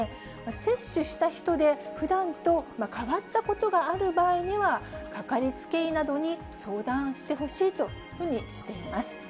接種した人で、ふだんと変わったことがある場合には、掛かりつけ医などに相談してほしいというふうにしています。